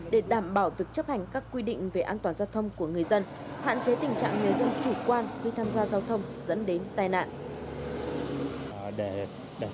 để đảm bảo việc chấp hành các quy định về an toàn giao thông của người dân hạn chế tình trạng người dân chủ quan khi tham gia giao thông dẫn đến tai nạn